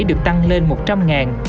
được tăng lên một trăm linh ngàn